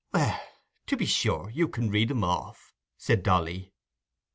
"Well, to be sure, you can read 'em off," said Dolly.